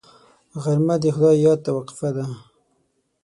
غرمه د خدای یاد ته وقفه ده